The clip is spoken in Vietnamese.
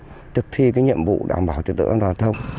các cán bộ thực thi nhiệm vụ đảm bảo trực tượng an toàn giao thông